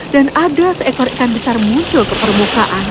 dan ada seekor ikan besar muncul ke permukaan